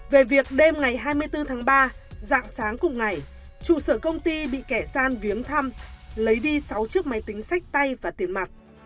về việc đêm ngày hai mươi bốn tháng ba dạng sáng cùng ngày trụ sở công ty bị kẻ gian viếng thăm lấy đi sáu chiếc máy tính sách tay và tiền mặt